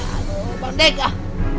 aduh pandek ah